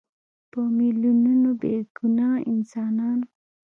په میلیونونو بېګناه انسانان.